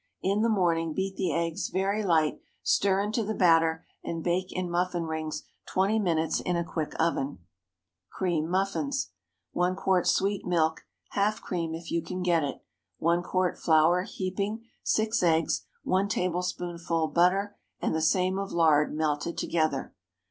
In the morning beat the eggs very light, stir into the batter, and bake in muffin rings twenty minutes in a quick oven. CREAM MUFFINS. ✠ 1 quart sweet milk (half cream, if you can get it). 1 quart flour—heaping. 6 eggs. 1 tablespoonful butter, and the same of lard—melted together.